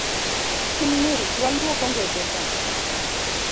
Piny ng’ich, waluok ongede chon